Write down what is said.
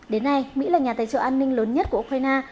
đến nay mỹ là nhà tài trợ an ninh lớn nhất của ukraine